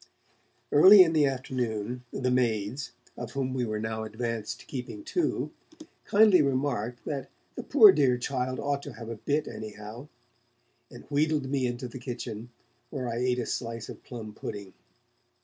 Early in the afternoon, the maids, of whom we were now advanced to keeping two, kindly remarked that 'the poor dear child ought to have a bit, anyhow', and wheedled me into the kitchen, where I ate a slice of plum pudding.